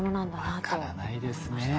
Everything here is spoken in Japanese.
分からないですね。